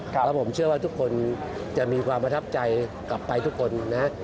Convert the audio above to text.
แล้วผมเชื่อว่าทุกคนจะมีความประทับใจกลับไปทุกคนนะ